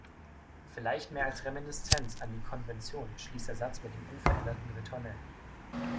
Vielleicht mehr als Reminiszenz an die Konvention schließt der Satz mit dem unveränderten Ritornell.